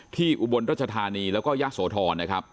ที่อุบลราชธานีแล้วก็ยศโทรนะครับ